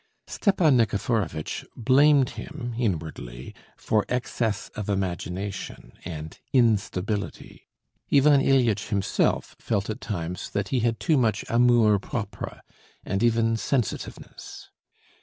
Stepan Nikiforovitch blamed him inwardly for excess of imagination and instability. Ivan Ilyitch himself felt at times that he had too much amour propre and even sensitiveness.